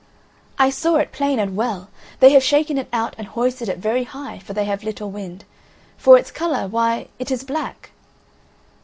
"I saw it plain and well. They have shaken it out and hoisted it very high, for they have little wind. For its colour, why, it is black."